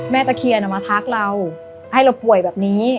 แม่ตะเคียนอะมาทักล่อให้แจบห่วยแบบนี้